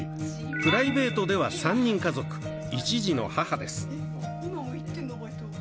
プライベートでは３人家族、１児の母です。